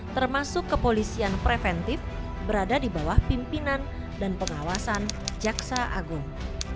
termasuk kepolisian preventif berada di bawah pimpinan dan pengawasan jaksa agung